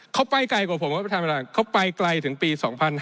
เขาไปไกลกว่าผมเขาไปไกลถึงปี๒๕๕๗